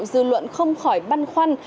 dư luận không khỏi băn khoăn